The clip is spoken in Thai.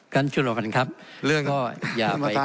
กันชุดละมันครับเรื่องก็อย่าไปขยาย